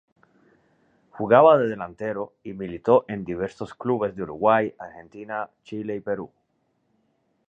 Jugaba de delantero y militó en diversos clubes de Uruguay, Argentina, Chile y Perú.